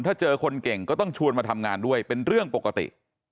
ถ้าเจอคนเก่งก็ต้องชวนมาทำงานด้วยเป็นเรื่องปกติ